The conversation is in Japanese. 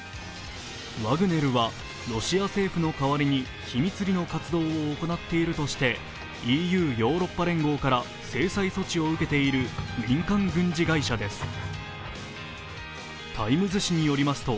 ワグネルはロシア政府の代わりに秘密裏の活動を行っているとしてＥＵ＝ヨーロッパ連合から制裁措置を受けている民間軍事会社です。